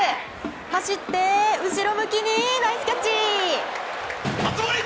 走って、後ろ向きにナイスキャッチ！